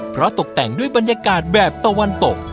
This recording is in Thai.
เพราะตกแต่งด้วยบรรยากาศแบบตะวันตก